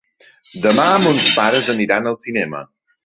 Demà mons pares aniran al cinema.